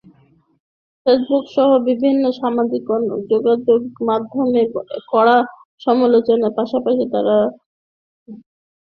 ফেসবুকসহ বিভিন্ন সামাজিক যোগাযোগমাধ্যমে কড়া সমালোচনার পাশাপাশি তাঁর পদত্যাগ চাওয়া হচ্ছে।